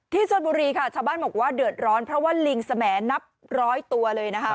ชนบุรีค่ะชาวบ้านบอกว่าเดือดร้อนเพราะว่าลิงสมแนนับร้อยตัวเลยนะคะ